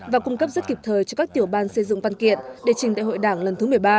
và cung cấp rất kịp thời cho các tiểu ban xây dựng văn kiện để trình đại hội đảng lần thứ một mươi ba